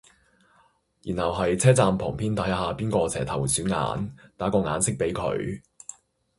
然後係車站旁邊睇下邊個蛇頭鼠眼，打個眼色比佢